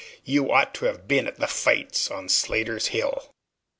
You ought to have been at the fights on Slatter's Hill!"